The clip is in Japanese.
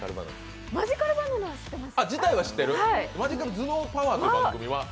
マジカルバナナは知ってます。